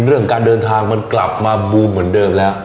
เรื่องการเดินทางมันกลับมาบูมเหมือนเดิมแล้ว